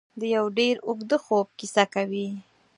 د یو ډېر اوږده خوب کیسه کوي.